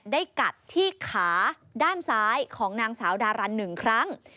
กัดที่ขาด้านซ้ายของนางสาวดารัน๑ครั้ง